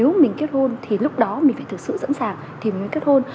nếu mình kết hôn thì lúc đó mình phải thực sự sẵn sàng thì mới kết hôn